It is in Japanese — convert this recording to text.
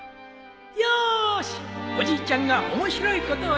よしおじいちゃんが面白いことをしてあげよう